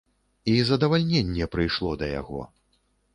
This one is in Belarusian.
І задаваленне прыйшло да яго.